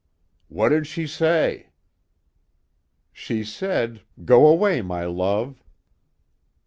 "What did she say?" "She said: 'Go away, my love!'"